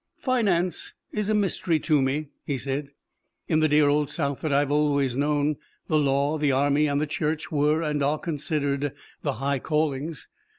"Finance is a mystery to me," he said. "In the dear old South that I have always known, the law, the army and the church were and are considered the high callings.